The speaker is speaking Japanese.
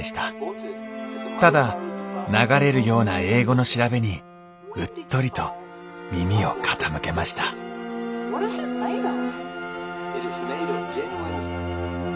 ただ流れるような英語の調べにうっとりと耳を傾けましたおはようございます！